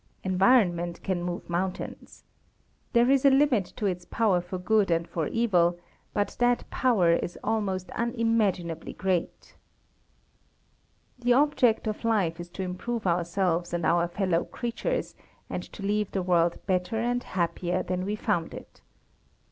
Environment can move mountains. There is a limit to its power for good and for evil, but that power is almost unimaginably great. The object of life is to improve ourselves and our fellow creatures, and to leave the world better and happier than we found it.